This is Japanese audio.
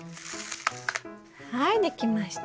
はい出来ました。